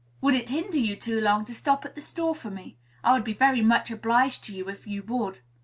"Would it hinder you too long to stop at the store for me? I would be very much obliged to you, if you would."